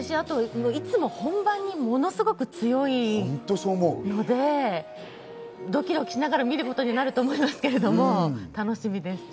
いつも本番にものすごく強いので、ドキドキしながら見ることになると思いますけれども、楽しみです。